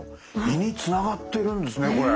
胃につながってるんですねこれ。